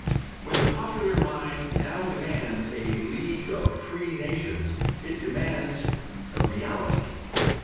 When the popular mind now demands a League of Free Nations it demands a reality.